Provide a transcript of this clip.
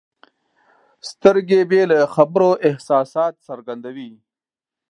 سترګې بې له خبرو احساسات څرګندوي.